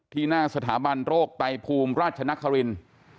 ที่หน้าสถาบันโรครไต้ภูมิราชนครินต์